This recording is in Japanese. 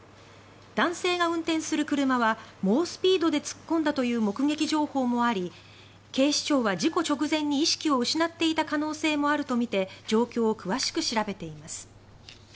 男性が運転する車は猛スピードで突っ込んだという目撃情報もあり警視庁は、事故直前に意識を失っていた可能性もあるとみて状況を詳しく調べています。